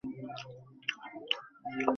Stock কেনা, offshore account, সবকিছুই।